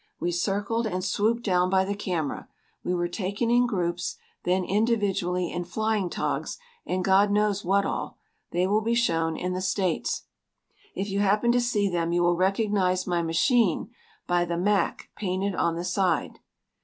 We circled and swooped down by the camera. We were taken in groups, then individually, in flying togs, and God knows what all. They will be shown in the States. If you happen to see them you will recognize my machine by the MAC, painted on the side.